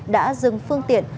đã dừng phương tiện